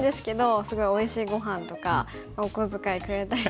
すごいおいしいごはんとかお小遣いくれたりとか。